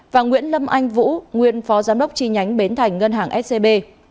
và nguyễn lâm anh vũ nguyên phó giám đốc chi nhánh bến thành ngân hàng scb